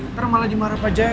ntar malah dimarap aja